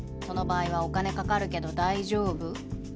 その場合はお金かかるけど大丈夫？